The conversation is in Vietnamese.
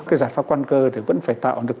cái giải pháp căn cơ thì vẫn phải tạo được